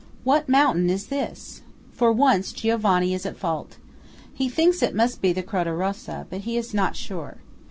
What mountain is this? For once Giovanni is at fault. He thinks it must be the Croda Rossa, but he is not sure.